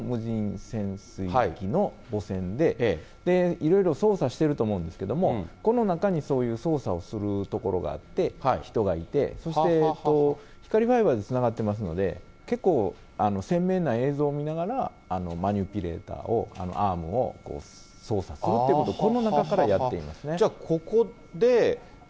ＲＯＶの母船で、いろいろ操作していると思うんですけれども、この中にそういう操作をする所があって、人がいて、そして光ファイバーでつながっていますので、結構鮮明な映像を見ながら、、アームを操作するということを、この中からやっていますね。